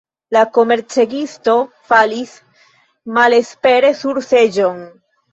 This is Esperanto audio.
La komercegisto falis malespere sur seĝon.